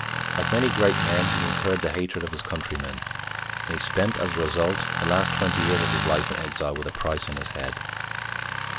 Like many great men, he incurred the hatred of his countrymen, and he spent, as a result, the last twenty years of his life in exile with a price on his head.